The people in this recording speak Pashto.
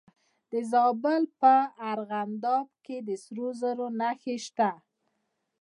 د زابل په ارغنداب کې د سرو زرو نښې شته.